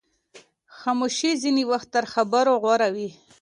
خاموشي ځینې وخت تر خبرو غوره وي.